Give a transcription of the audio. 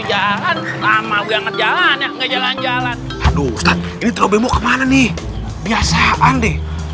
jalan jalan ini terlalu bingung kemana nih biasaan deh